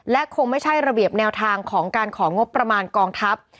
และคงไม่ใช่ระเบียบแนวทางของการของงบประมาณกองทัพ